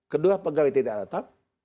kedua pegawai tidak tetap